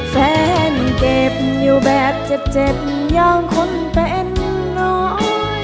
เก็บอยู่แบบเจ็บอย่างคนเป็นน้อง